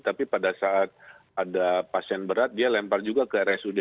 tapi pada saat ada pasien berat dia lempar juga ke rsud